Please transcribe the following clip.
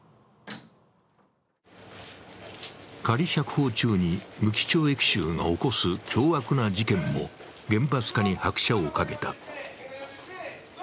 仮釈放中に無期懲役囚が起こす凶悪な事件も厳罰化に拍車をかけた。